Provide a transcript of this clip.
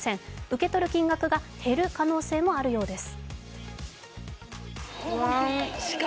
受け取る金額が減る可能性もあるようです。